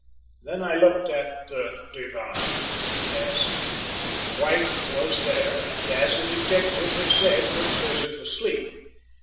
Then I looked at the divan. Yes, White was there, and, as the detective had said, looked as if asleep.